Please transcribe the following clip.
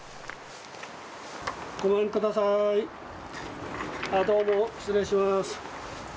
ごめんください、失礼します。